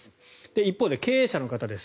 一方で経営者の方です。